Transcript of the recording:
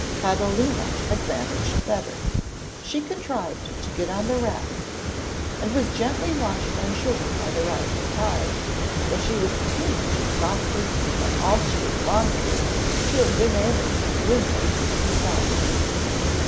Catalina had managed better. She contrived to get on the raft and was gently washed on shore by the rising tide, though she was too much exhausted by all she had gone through to have been able to swim there for herself.